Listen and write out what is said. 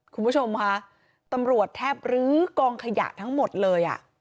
คุณผู้ชมค่ะตำรวจแทบรื้อกองขยะทั้งหมดเลยอ่ะ